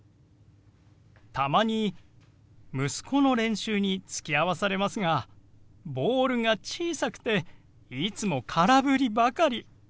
たまに息子の練習につきあわされますがボールが小さくていつも空振りばかり。